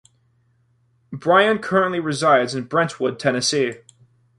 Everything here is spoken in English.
Brian currently resides in Brentwood, Tennessee.